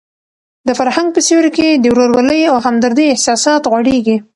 د فرهنګ په سیوري کې د ورورولۍ او همدردۍ احساسات غوړېږي.